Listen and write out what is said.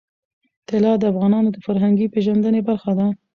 طلا د افغانانو د فرهنګي پیژندنې برخه ده.